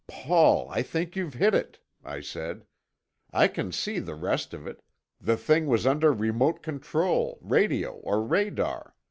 "Paul, I think you've hit it," I said. "I can see thc rest of it—the thing was under remote control, radio or radar.